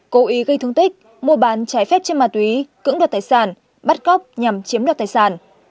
cố ý gây thương tích mua bán trái phép trên mà túy cứng đoạt tài sản bắt góp nhằm chiếm đoạt tài sản